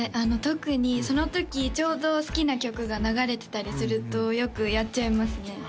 特にそのときちょうど好きな曲が流れてたりするとよくやっちゃいますね